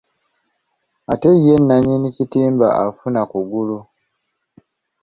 Ate ye nnannyini kitimba afuna kugulu.